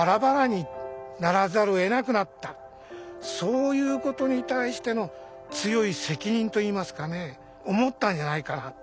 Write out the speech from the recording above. そういうことに対しての強い責任といいますかね思ったんじゃないかな。